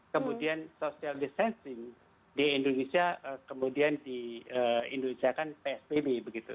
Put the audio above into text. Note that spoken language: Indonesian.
kemudian social distancing di indonesia kemudian di indonesia kan psbb begitu